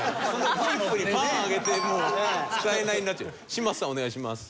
嶋佐さんお願いします。